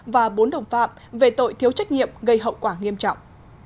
và bốn đồng phạm về tội thiếu trách nhiệm gây hậu quả nghiêm trọng